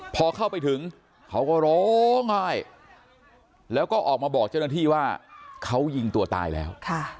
พอเข้าไปถึงเขาก็ร้องไห้แล้วก็ออกมาบอกเจ้าหน้าที่ว่าเขายิงตัวตายแล้ว